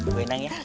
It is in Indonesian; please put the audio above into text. bu endang ya